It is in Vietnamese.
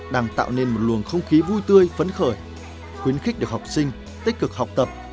đang tạo nên một luồng không khí vui tươi phấn khởi khuyến khích được học sinh tích cực học tập